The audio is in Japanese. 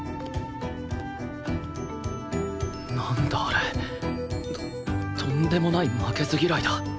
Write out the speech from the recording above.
なんだあれ。ととんでもない負けず嫌いだ。